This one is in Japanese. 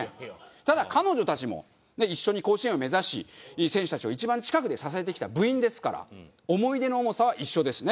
ただ彼女たちも一緒に甲子園を目指し選手たちを一番近くで支えてきた部員ですから思い出の重さは一緒ですね。